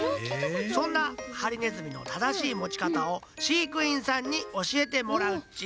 そんなハリネズミの正しい持ち方を飼育員さんにおしえてもらうっち。